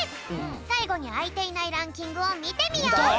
さいごにあいていないランキングをみてみよう！